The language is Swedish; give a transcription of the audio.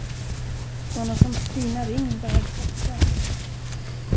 Såna som Stina Ring behövs också.